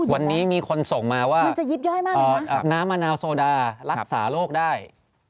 วันนี้มีคนส่งมาว่าน้ำมะนาวโซดารักษาโรคได้